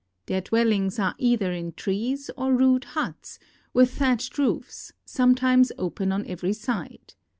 Their dwellings are either in trees or rude huts, with thatched roofs, sometimes open on every side.